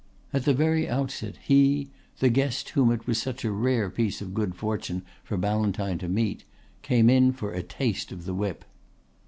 At the very outset he, the guest whom it was such a rare piece of good fortune for Ballantyne to meet, came in for a taste of the whip.